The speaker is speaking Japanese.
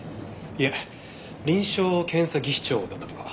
いえ臨床検査技師長だったとか。